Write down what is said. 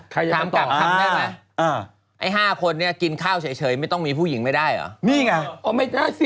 ถามกลับคำให้ไหมไอ้๕คนกินข้าวเฉยไม่ต้องมีผู้หญิงไม่ได้เหรอ